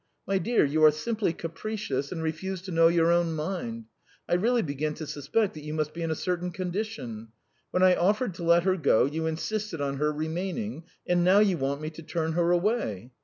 My dear, you are simply capricious and refuse to know your own mind .... I really begin to suspect that you must be in a certain condition. When I offered to let her go, you insisted on her remaining, and now you want me to turn her away.